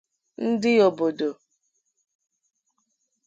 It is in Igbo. ndị obodo